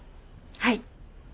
はい。